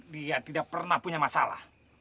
dia tidak pernah punya masalah